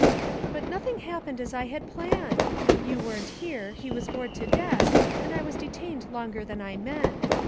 'But nothing happened as I had planned. You weren't here, he was bored to death, and I was detained longer than I meant.